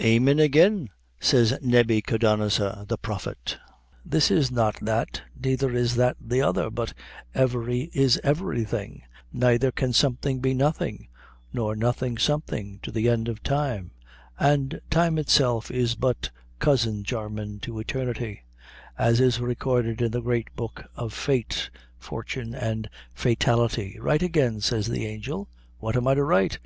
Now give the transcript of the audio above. Amin, agin, says Nebbychodanazor, the prophet; this is not that, neither is that the other, but every is everything naither can something be nothing, nor nothing something, to the end of time; and time itself is but cousin jarmin to eternity as is recorded in the great book of fate, fortune and fatality. Write again, says the angel. What am I to write?